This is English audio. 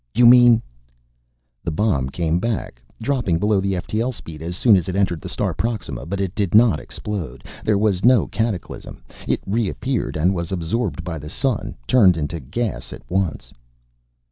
"You mean " "The bomb came back, dropping below the ftl speed as soon as it entered the star Proxima. But it did not explode. There was no cataclysm. It reappeared and was absorbed by the sun, turned into gas at once."